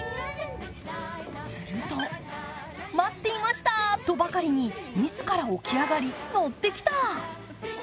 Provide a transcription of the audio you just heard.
すると、待っていましたとばかりに自ら起き上がり、乗ってきた。